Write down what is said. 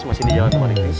masih di jalan tumaritis